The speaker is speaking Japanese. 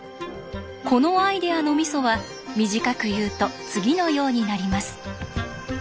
このアイデアのミソは短く言うと次のようになります。